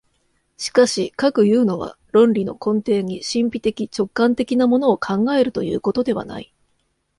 しかしかくいうのは、論理の根底に神秘的直観的なものを考えるということではない。